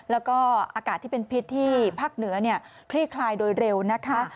แล้วก็อากาศที่เป็นพิษที่ภาคเหนือคลี่คลายโดยเร็วนะคะ